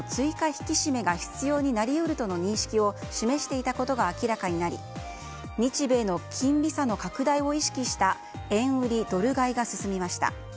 引き締めが必要になり得るとの認識を示していたことが明らかになり日米の金利差の拡大を意識した円売りドル買いが進みました。